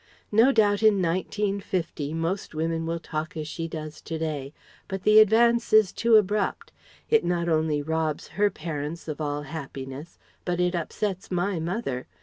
No doubt in 1950 most women will talk as she does to day, but the advance is too abrupt. It not only robs her parents of all happiness, but it upsets my mother.